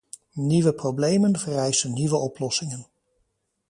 Nieuwe problemen vereisen nieuwe oplossingen.